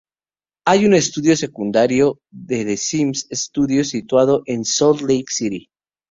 Hay un estudio secundario de The Sims Studios situado en Salt Lake City.